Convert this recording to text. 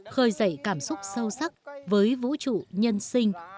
khơi dậy cảm xúc sâu sắc với vũ trụ nhân sinh